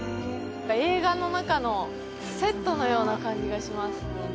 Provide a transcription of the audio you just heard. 映画の中のセットのような感じがします